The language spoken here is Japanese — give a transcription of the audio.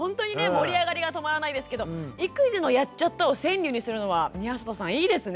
盛り上がりが止まらないですけど育児の「やっちゃった！」を川柳にするのは宮里さんいいですね。